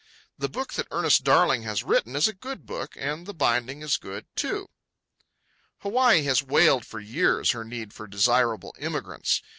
The book that Ernest Darling has written is a good book, and the binding is good, too. Hawaii has wailed for years her need for desirable immigrants.